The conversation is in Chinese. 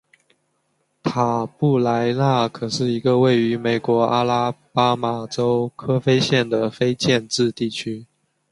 塔布莱纳可是一个位于美国阿拉巴马州科菲县的非建制地区。